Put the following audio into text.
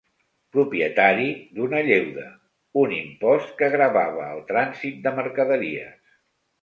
Propietari d'una lleuda, un impost que gravava el trànsit de mercaderies.